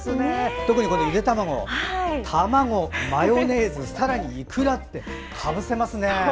特にゆで卵、マヨネーズさらにいくらってかぶせますね！